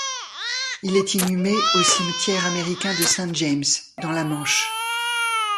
Il est inhumé au cimetière américain de Saint-James dans la Manche.